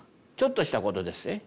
ちょっとしたことでっせ。